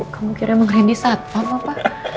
kamu kira emang randy satpam apa